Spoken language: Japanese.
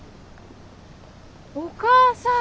お母さん！